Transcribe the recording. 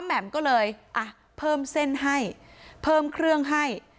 แหม่มก็เลยอ่ะเพิ่มเส้นให้เพิ่มเครื่องให้